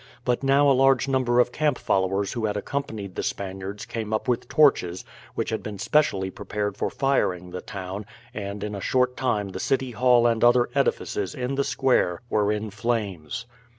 But now a large number of camp followers who had accompanied the Spaniards came up with torches, which had been specially prepared for firing the town, and in a short time the city hall and other edifices in the square were in flames.